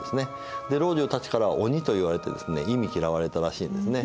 老中たちからは「鬼」と言われて忌み嫌われたらしいんですね。